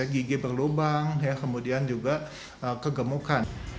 gigi berlubang kemudian juga kegemukan